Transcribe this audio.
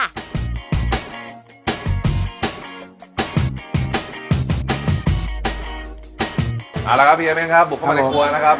เอาละครับพี่ไอเม้นครับบุกเข้ามาในครัวนะครับ